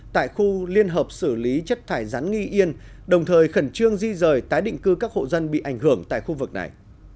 tại khu liên hợp xử lý chất thải rắn nghi yên đồng thời khẩn trương di rời tái định cư các hộ dân bị ảnh hưởng tại khu vực này